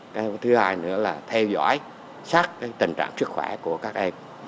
cái thứ hai nữa là theo dõi sát tình trạng sức khỏe của các em